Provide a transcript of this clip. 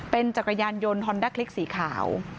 เป็นจักรยานยนต์ฮอนด้าคลิกสีขาว